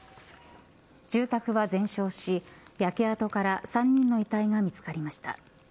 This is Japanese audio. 住宅が全焼し焼け跡から３人の遺体が見つかりました。